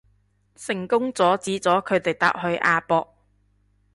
成功阻止咗佢哋搭去亞博